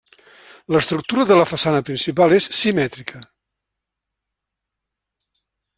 L'estructura de la façana principal és simètrica.